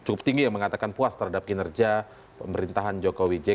cukup tinggi yang mengatakan puas terhadap kinerja pemerintahan jokowi jk